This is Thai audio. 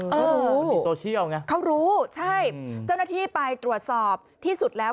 โอ้โหมีโซเชียลไงเขารู้ใช่เจ้าหน้าที่ไปตรวจสอบที่สุดแล้ว